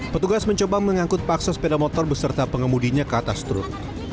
petugas mencoba mengangkut paksa sepeda motor beserta pengemudinya ke atas truk